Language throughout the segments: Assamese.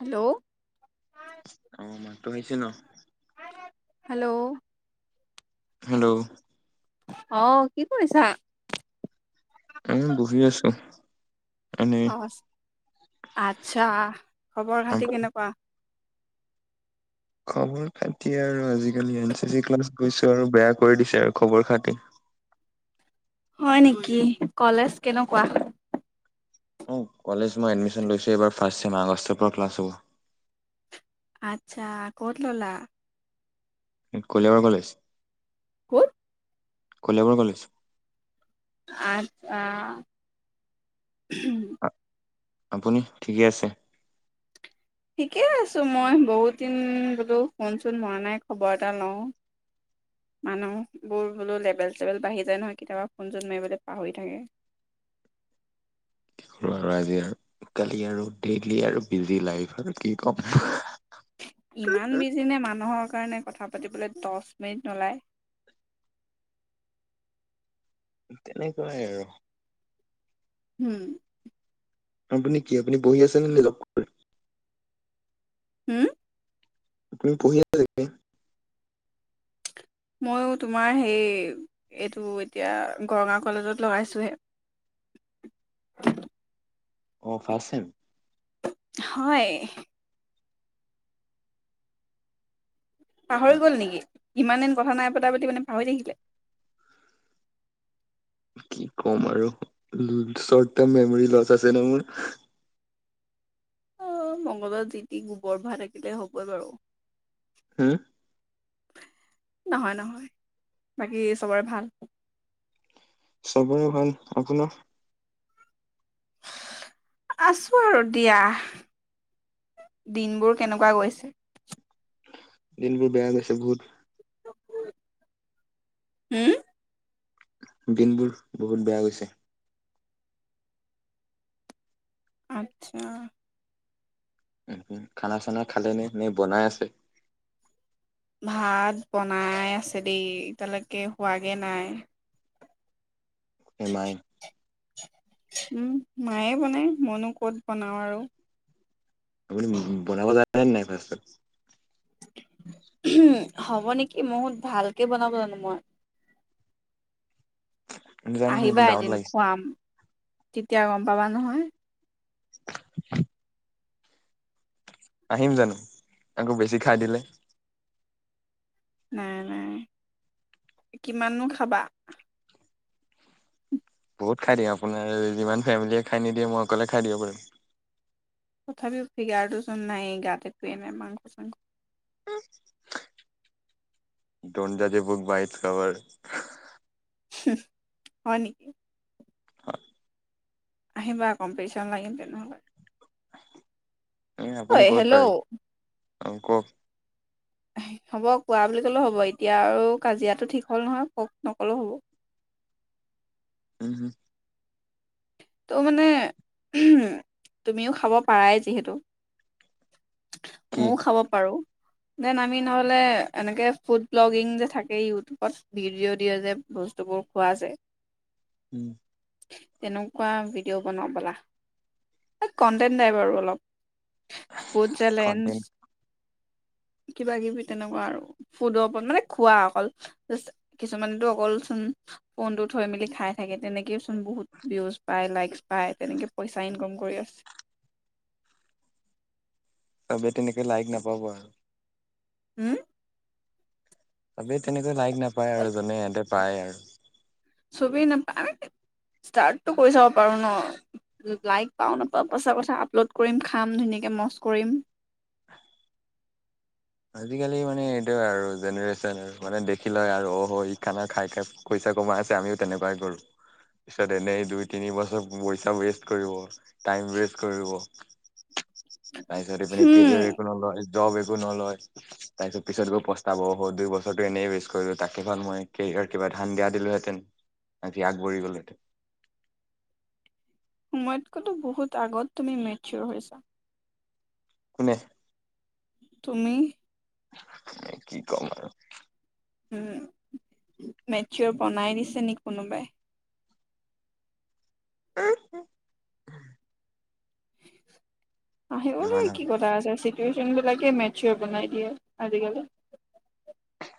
হেল্ল'। অ মাৰটো হৈছে ন। হেল্ল'। হেল্ল' আহ কি কৰিছা? এ বহি আছো। এনেই অ আচ্ছা খবৰ খাতি আমাৰ কেনেকুৱা? খবৰ খাতি আৰু আজিকালি এন চি চি ক্লাছ গৈছো আৰু বেয়া কৰি দিছে আৰু খবৰ খাতি। [inaudible] হয় নেকি কলেজ কেনেকুৱা? অ কলেজ মই এডমিশ্যন লৈছোঁ এইবাৰ ফাৰ্ষ্ট ছেমাৰ আগষ্টৰ পৰা ক্লাছ হ'ব। আচ্ছা ক'ত ললা? কলিয়াবৰ কলেজ। কত? কলিয়াবৰ কলেজ। আচছা। আপুনি ঠিকেই আছে। ঠিকে আছোঁ মই বহুত দিন বোলো শুনচোন মৰা নাই খবৰ এটা লওঁ। মানুহবোৰ বোলো লেভেল চেভেল বাঢ়ি যায় নহয় কেতিয়াবা ফোন চোন মাৰিবলৈ পাহৰি থাকে। [inaudible] জি আৰু কালি আৰু ডেইলি আৰু বিজি লাইফ আৰু কি কম। ইমান বেজি নে মানুহৰ কাৰণে। কথা পাতিবলৈ দহ মিনিট নোলায়। তেনেকুৱাই আৰু। হম। আপুনি কি আপুনি বহি আছে ন - ন লগ কৰে হম। তুমি পঢ়ি আছা নেকি? ময়ো তোমাৰ হেই এইটো এতিয়া গৰঙা কলেজত লগাইছোহে। অ, ফাচ চেম। হয়। পাহৰি গল নেকি ইমান দিন কথা নাই পতা পাতি মানে পাহৰি থাকিলে। কি ক'ম আৰু শৰ্ট টাৰ্ম মেমৰি লচ আছে ন মোৰ। অহ, মংগলত যিতি গোবৰ ভা থাকিলে হ'বই বাৰু। হম, নহয় - নহয় বাকী চবৰে ভাল। চবৰে ভাল আপোনাৰ? আছো আৰু দিয়া। দিনবোৰ কেনেকুৱা গৈছে। দিনবোৰ বেয়া গৈছে বহুত। হম। দিনবোৰ বহুত বেয়া গৈছে। আচ্ছা। উম, খানা চানা খালে নে - নে বনাই আছে। ভাত বনাই আছে দেই এতিয়ালৈকে হোৱাগে নাই। এনাই উম, মায়ে বনাই মনো ক'ত বনাও আৰু। আপুনি বনাব জনে নে নাই ভাত চাত? হ'ব নেকি বহুত ভালকে বনাব জানো মই। জানো মোৰতো আহিবা ডাউট এদিন লাগিছে খুৱাম তেতিয়া গম পাবা নহয়। আহিম জানো, আকৌ বেছি খাই দিলে? নাই-নাই, কিমাননো খাবা? বহুত খাই দিম। আপোনাৰ যিমান ফেমিলীয়ে খাই নিদিয়ে, মই অকলে খাই দিব পাৰিম। তথাপিও ফিগাৰটোচোন নাইয়ে, গাত একোৱে নাই, মাংসচাংস। হম, দণত জাজ a book by its cover. হুহ হয় নেকি? অহ ', আহিবা, কম্পিটিশ্যন লাগিম তেনেহ'লে। এ, ঐ আপুনি ক'ত হেল্ল' পাৰিব? অ, কওক হ'ব কোৱা বুলি ক'লেও হ'ব এতিয়া। আৰু কাজিয়াটো ঠিক হ'ল নহয়? কওক, নকলেও হ'ব। [inaudible] হম, তো মানে, উম, তুমিও খাব পাৰাই যিহেতু। কি মইও খাব পাৰো। দেন আমি নহ'লে এনেকে ফুড ভ্লগিং যে থাকে ইউটিউবত ভিডিঅ' দিয়ে যে। বস্তুবোৰ খোৱা যে উম। তেনেকুৱা ভিডিঅ' বনাওঁ বলা। কন্টেন্ট টাইপ আৰু অলপ। Food challenge. কন্টেন্ট [inaudible] কিবা-কিবি তেনেকুৱা, আৰু ফুডৰ ওপৰত, মানে খোৱা, অকল কিছুমানেতো অকল চোন। ফোনটো থৈ মেলি খাই থাকে, তেনেকেওঁ চোন বহুত ভিউজ। পায় লাইকছ পায়, তেনেকে পইচা ইনকাম কৰি আছে। [inaudible] আবে তেনেকে লাইক নাপাবা। হম। চবেই তেনেকৈ লাইক নাপায়, আৰু যোনে সিহঁতে পায় আৰু। সবে নাপায়। [inaudible] ষ্টাৰ্টটো কৰি চাব পাৰোঁ নহ, লাইক পাওঁ নাপাওঁ, পিছৰ কথা। আপলোড কৰিম, খাম ধুনীয়াক। কে মছ কৰিম। [inaudible] আজিকালি মানে এইটোৱে আৰু জেনেৰেশ্যন, আৰু মানে দেখি লয়, আৰু অ'হ, ই খানা খাই খাই পইচা কমাই। আছে, আমিও তেনেকুৱাই কৰোঁ। পিছত এনেই দুই-তিনি বছৰ পইচা ৱেষ্ট কৰিব, টাইম ৱেষ্ট কৰিব। তাৰপিছত এইপিনে হম কেৰিয়াৰ একো নলয়, জব একো নলয়। তাৰ পিছত পিছত পস্তাব, অ', দুই বছৰটো এনেই ৱেষ্ট কৰিলো। তাতকৈ ভাল, মই কৰিয়াৰত কিবা ধ্যান দিয়াহেঁতেন। হেঁতেন আকি আগবাঢ়ি গ'লহেঁতেন। সময়তকৈতো বহুত আগত তুমি মেচ্যুৰ হৈছা। কোনে। তুমি। কি কম আৰু। উম, মেচ্যুৰ বনাই দিছে নি কোনোবাই। উম হম। আহিব দে, নহয় নহয় কি কথা আছে চি। টিউচন বিলাকে মেচ্যুৰ বনাই দিয়ে আজিকালি।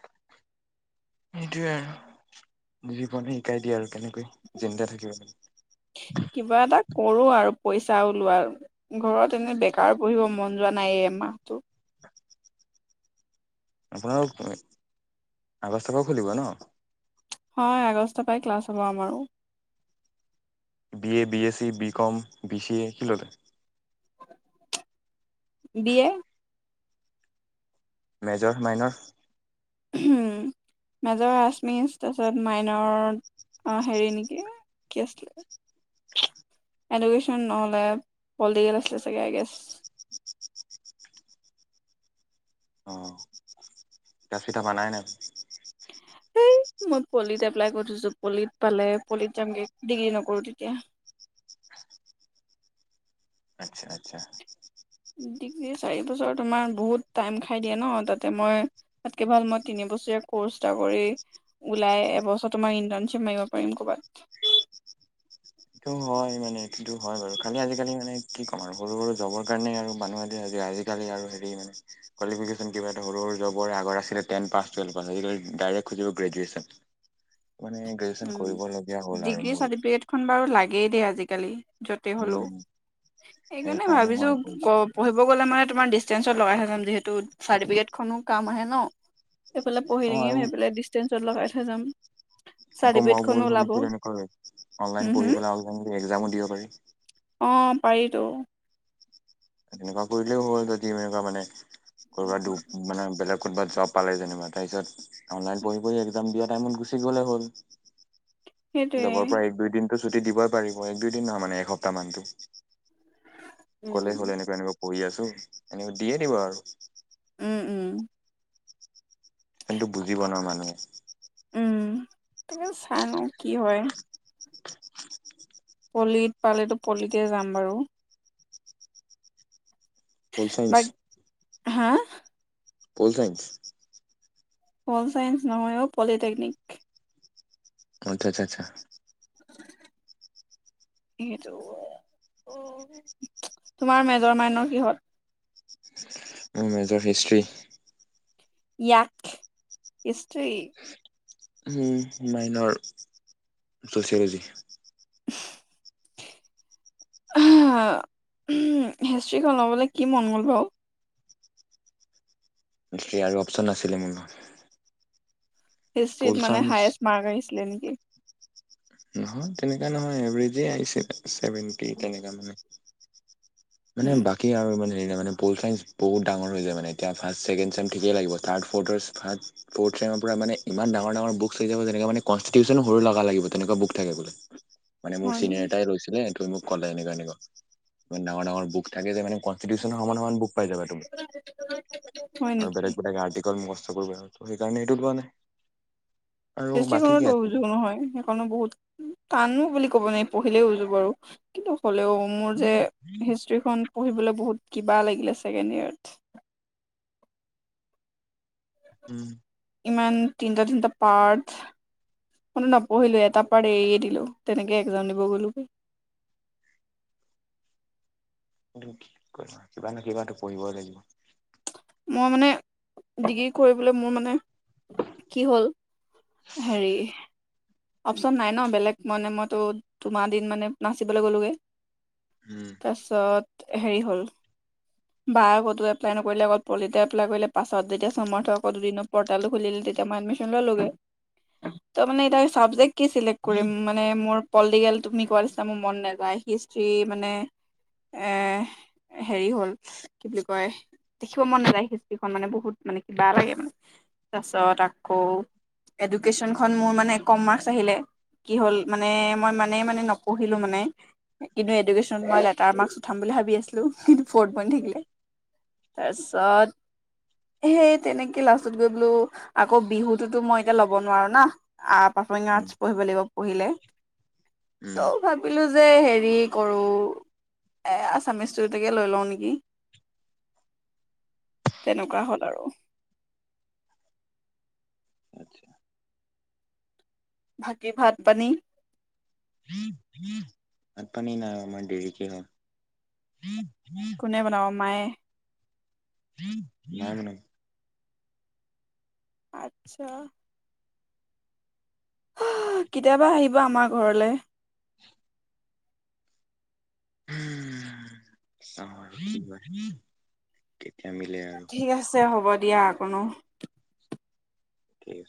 [inaudible] সেইটোয়েই আৰু জীৱনে শিকাই দিয়ে, আৰু কেনেকৈ জিন্দা থাকিব। কিবা এটা কৰোঁ আৰু পইচা ওলোৱা, ঘৰত এনে বেকাৰ। বহিব মন যোৱা নাই এমাহটো। [inaudible] আপোনাল আগষ্টৰ পৰা খুলিব নহ। হয় আগষ্টৰ পৰাই ক্লাছ হ'ব আমাৰো। B A B S C B com B C A কি ল'লে। BA. Major minor. Um major আচমিচ তাৰপিছত মাইনৰ। অ হেৰি নেকি কি আছিলে। এডুকেশ্বন নহলে পলিটিকেল আছিল চাগে আইগেছ। [inaudible] অ গাছ পিঠা বনাইনাই। সেই মই পলিত এপ্লাই কৰি থৈছোঁ পলিত পালে পলিত যামগৈ ডিগ্ৰী নকৰোঁ তেতিয়া। [inaudible] আচ্ছা আচ্ছা। ডিগ্ৰী চাৰি বছৰ তোমাৰ বহুত টাইম খাই দিয়ে নহ তাতে মই তাতকৈ ভাল মই তিনিবছৰীয়া। কৰ্চ এটা কৰি ওলাই এবছৰ তোমাৰ ইটাৰ্ণশ্বিপ মাৰিব পাৰিম কবাত। সিটো হয় মানে সেইটো হয় বাৰু খালি আজিকালি মানে কি কম আৰু সৰু সৰু জবৰ কাৰণে আৰু মানুহ আ আজি। আজিকালি আৰু হেৰি মানে কোৱালিফিকেশ্যন কিবা এটা সৰু সৰু জবৰ আগত আছিলে টেন পাছটুৱেলভ পাছ আজিকালি। ডাইৰেক্ট খোজিব গ্ৰেগুৱেচন। উ ডিগ্ৰী মোৰো চাৰটিফিকেট বাৰু ল েই দে আজিকালি যতে হলেও উম সেইকাৰণে ভাবিছো কব গলে মানে তোমাৰ দিচটেনচত লগাই থৈ যাম যিহেটো চাৰ্টিফিকেট খনও কাম আহে ন। এইফালে পঢ়ি অ থাকিম আৰু সেইফালে ডিচষ্টেঞ্চত লগাই থৈ যাম। আকৌ মই বহুত চাৰ্টিফিকেটখনো ওলাব শুনিছিলো এনেকৈ অনলাইন হম পঢ়ি হম পেলাই অনলাইন একজামো দিব পাৰি। অ' পাৰিতো। তেনেকুৱা কৰিলেও হ'ল যদি এনেকুৱা মানে ক'ৰবাত মানে বেলেগ ক'ৰবাত জব পালে যেনিবা তাৰপিছত অনলাইন পঢ়ি পঢ়ি এক্াম দিয়া টাইমত গু গুচি গলে হল, সেইটোৱে জবৰ পৰা সেই দু টো ছুটি দিবই পাৰিব এক দুই দিন নহয় মানে এসপ্তাহ মান। উম কলেই হ'ল এনেকুৱা এনেকুৱা পঢ়ি আছো এনেকা দিয়ে দিব আৰু। উম উম। সেইখিনিটো বুজিব ন মানুহে। ত চাইলও কি হয়। পলিত পালেতো পলিতে যাম বাৰু। Pol science? বাক হা? Pol science? তল চায়েন্স নহয়ও পলিটেকনিক। আতছা আচ্ছা আচ্ছা। সেইটো তোমাৰ মেজৰ মাইৰ কিহত? মোৰ মেজৰ হিষ্ট্ৰী। ইয়াক সষ্ট্ৰী। Minor sociology. হিষ্ট্ৰীখন ল'বলৈ কি মন গ'ল বাৰু? আৰু অপচন নাছিলে মোৰ। পল হিষ্ট্ৰিত মানে চাইন্স হায়েষ্ট মাৰ্ক আহিছিলে নেকি? নহয় তেনেকুৱা নহয় এভৰেজেই আহিছে ছেভেণ্টি তেনেকুৱা মানে। মানে উম বাকী আৰু মানে মানে পল চাইজ বহুত ডাঙৰ হয় যায় মানে এতিয়া ফাৰ্ষ ছেকেণ্ড চেম ঠিক লাগিব থাৰডৰ্ ৰ পৰা মান ইমান ডাঙৰ ডাঙৰ বুক হৈ যাব যেনে মানে কষ্টিটিউ্যন সৰু লগা লাগিব। তেনেকুৱা বুক থাকে বোলে মানে মোৰ হয় নেকি চিনিয়াৰ এটাই লৈছিলে তু মোক ক'লে এনেকে। ডাঙৰ ডাঙৰ বুক থাকে যে মানে। কষ্টিটিউ্যনৰ সমান সমান বুক পাই যাবা তুমি হয় আৰু নেকি বেলেগ বেলেগ আৰ্টিকেল বে সেইকাৰণে এইটো লোৱা নাই। আৰু বাকী কি আছিল সৃষ্টিকণোযোগ নহয় সেইকাৰণে বহুত টানো বুলি ক'ব নোৱাৰি পঢ়িলে উজো বাৰু কিন্তু হ'লেও মোৰ যে হিষ্ট্ৰীখন পঢ়িবলৈ বহুত কিবা লাগিলে ছেকেণ্ড ইয়াৰত। [inaudible] ইমান তিনিটা তিনিটা পাৰ্ট শনো নপঢ়িলো এটা পাৰ এৰিয়ে দিলো তেনেকে এক্জাম দিব গলো। [inaudible] কি কৰিবা কিবা ন কিবাটো পঢ়িব লাগিব। মই মানে ডিগ্ৰী কৰিবলৈ মোৰ মানে, কি হ'ল হেৰি অপচন নাই ন বেলেগ মানে মইতো তোমাৰ দিন মানে নাচিবলৈ গ'লোগে। উম তাৰপিছত হেৰি হ'ল বা কতো এপ্লাই নকৰিলে অকল পলিটে এপ্লাই কৰিলে পাছত যেতিয়া চমৰ্থক আকৌ দুদিনৰ পৰ্টেলটো খুলিলে। তেতিয়া মই এদমিচন ললো গে, ত মানে এতিয়া চাবজেক্ট কি চিলেক্ট কৰিম মানে মোৰ পলিটিকেল তুমি কোৱা দিছা মোৰ মন নযায় হিষ্টি মানে এ হেৰি হ'ল কি বুলি কয় দেখিব মন নাযায় হিষ্টিখন মানে বহুত মানে কিবা লাগে মানে তাৰপিছত আকৌ এডুকেশ্যনখন মোৰ মানে কম মাৰ্কচ আহিলে কি হ'ল মানে মই মানে মানে নপঢ়িলো মানে কিন্তু এডুকেশ্যনত মই লেটাৰ মাৰ্ক উঠাম বুলি ভাবি আছিলো কিন্তু ফৰ্ট বনি থাকিলে তাৰপিছত সেই তেনেকে লাষ্টত গৈ বোলো আকৌ বিহুতোতো মই এতিয়া ল'ব নোৱাৰো না আ উম লিবে ত উম ভ যে হেৰি কৰো এ আছামিছ টাকে লৈ লওঁ নেকি তেনেকুৱা হ'ল আৰু আচ্ছা ভাকী ভাত পানী প নী নাগ মিকে হ কোনে বন ম উ লঙ ন আচ্ছা কেতিয়াবা আহিব আমাৰ ঘৰলে চ ঠিক আছে হ'ব দিয়া আকনো ঠিক আ